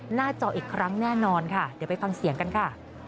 หน้าจออีกครั้งแน่นอนค่ะเดี๋ยวไปฟังเสียงกันค่ะ